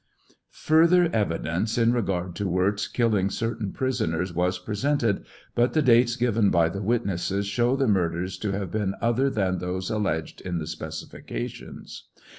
Further evidence in regard to Wirz killing certain prisoners was presented, but the dates given by the witnesses show the murders to have been otlier than those alleged in the specifications.